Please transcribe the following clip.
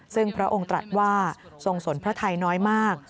ซึ่งพระองค์ตรัสว่าทรงสนพระไทยน้อยมาก